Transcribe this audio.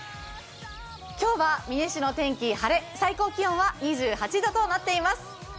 今日は美祢市の天気、晴れ、最高気温は２８度となっています。